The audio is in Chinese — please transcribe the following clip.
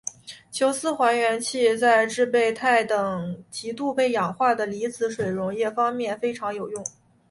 琼斯还原器在制备钛等极易被氧化的离子水溶液方面非常有用。